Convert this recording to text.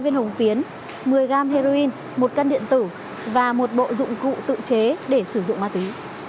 một mươi ba viên hồng phiến một mươi gam heroin một căn điện tử và một bộ dụng cụ tự chế để sử dụng ma túy